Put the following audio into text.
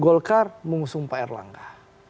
golkar mengusung pak erlangga